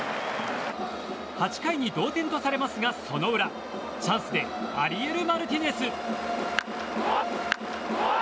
８回に同点とされますがその裏チャンスでアリエル・マルティネス。